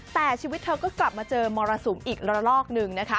แต่ชีวิตเธอก็กลับมาเจอมรสุมอีกระลอกนึงนะคะ